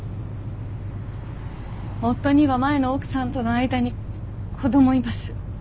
夫には前の奥さんとの間に子供います。